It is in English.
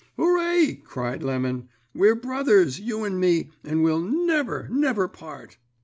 "'Hooray!' cried Lemon, 'we're brothers, you and me, and we'll never, never part.'